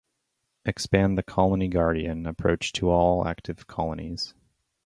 Expand the 'Colony Guardian' approach to all active colonies.